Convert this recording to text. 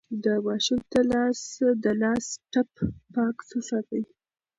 د ماشوم د لاس ټپ پاک وساتئ.